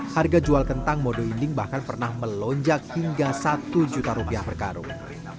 harga jual kentang modo inding bahkan pernah melonjak hingga satu juta rupiah per karung